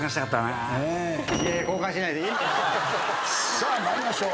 さあ参りましょう。